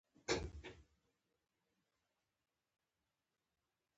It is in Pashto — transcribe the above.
د پښتنو په حجرو کې مېلمانه تل درانه ګڼل کېږي.